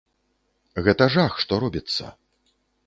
Гэта жах, што робіцца.